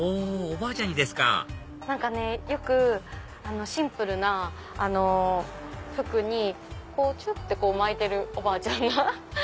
おばあちゃんにですかよくシンプルな服にこうちょっと巻いてるおばあちゃんが。